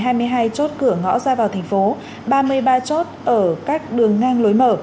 hà nội sẽ tiếp tục giữ ngõ ra vào thành phố ba mươi ba chốt ở các đường ngang lối mở